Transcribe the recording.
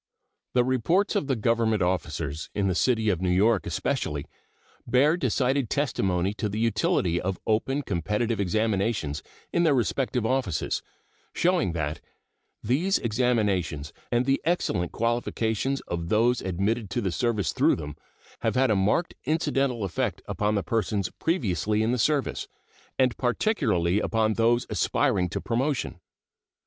The reports of the Government officers, in the city of New York especially, bear decided testimony to the utility of open competitive examinations in their respective offices, showing that These examinations and the excellent qualifications of those admitted to the service through them have had a marked incidental effect upon the persons previously in the service, and particularly upon those aspiring to promotion.